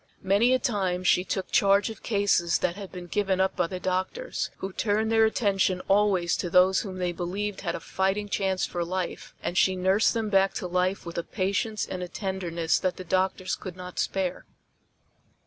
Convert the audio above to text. Many a time she took charge of cases that had been given up by the doctors, who turned their attention always to those whom they believed had a fighting chance for life, and she nursed them back to life with a patience and a tenderness that the doctors could not spare.